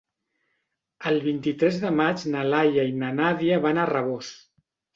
El vint-i-tres de maig na Laia i na Nàdia van a Rabós.